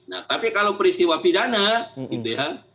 nah tapi kalau peristiwa pidana gitu ya